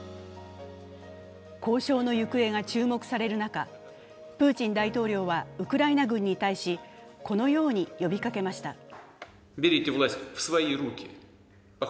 交渉の行方が注目される中プーチン大統領はウクライナ軍に対しこのように呼びかけました。